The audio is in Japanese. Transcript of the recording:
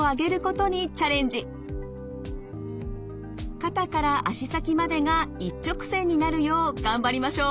肩から足先までが一直線になるよう頑張りましょう。